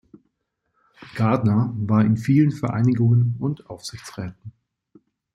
Gardner war in vielen Vereinigungen und Aufsichtsräten.